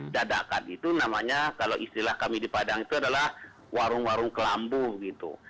dadakan itu namanya kalau istilah kami di padang itu adalah warung warung kelambu gitu